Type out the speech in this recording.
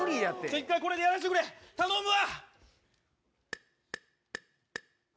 一回これでやらせてくれ、頼むわ。